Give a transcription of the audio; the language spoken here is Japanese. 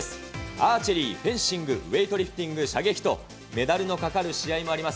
アーチェリー、フェンシング、ウエイトリフティング、射撃と、メダルのかかる試合もあります。